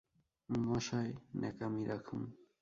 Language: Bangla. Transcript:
মশায়, ন্যাকামি রাখুন।